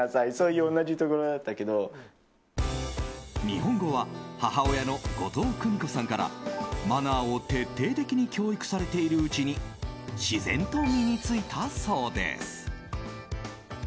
日本語は母親の後藤久美子さんからマナーを徹底的に教育されているうちに自然と身に付いたそうです。